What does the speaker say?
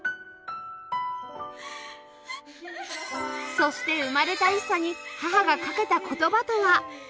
そして生まれた ＩＳＳＡ に母がかけた言葉とは？